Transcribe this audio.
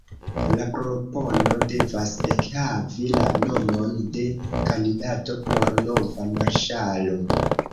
La propono devas ekhavi la nomon de kandidato por nova marŝalo.